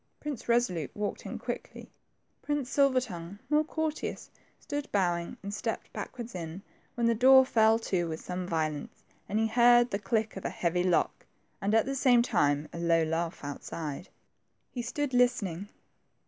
Prince Eesolute walked in quickly. Prince Silver tongue, more courteous, stood bowing, and stepped backward in, when the door fell to with some violence, and he heard the click of a heavy lock, and at the same time a low laugh outside. He stood listening.